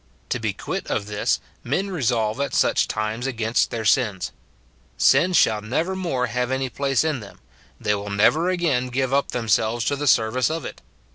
To be quit of this, men resolve at such times against their sins. Sin shall never more have any place in them ; they will never again give up themselves to the service of it.